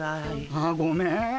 あごめん。